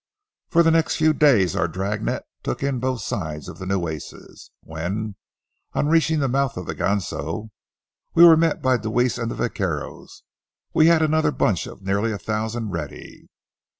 For the next few days our dragnet took in both sides of the Nueces, and when, on reaching the mouth of the Ganso, we were met by Deweese and the vaqueros we had another bunch of nearly a thousand ready.